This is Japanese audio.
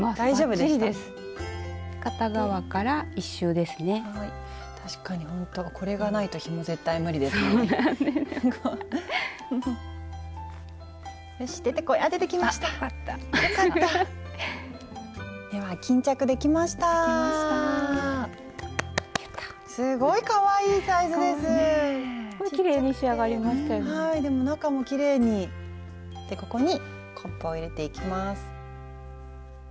でここにコップを入れていきます。